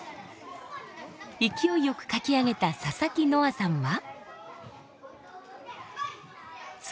勢いよく書き上げた佐々木望愛さんは。